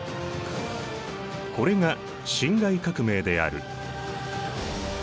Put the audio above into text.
これが辛亥革命である。